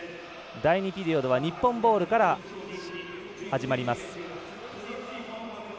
第２ピリオドは日本ボールから始まります。